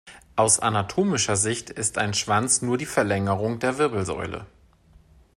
Aus anatomischer Sicht ist ein Schwanz nur die Verlängerung der Wirbelsäule.